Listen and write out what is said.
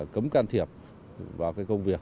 cấm can thiệp vào công việc